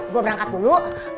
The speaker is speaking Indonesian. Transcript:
gue berangkat dulu